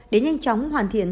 để nhanh chóng hoàn thiện